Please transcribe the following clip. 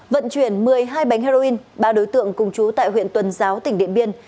vận chuyển một mươi hai bánh heroin ba đối tượng cùng chú tại huyện tuần giáo tỉnh điện biên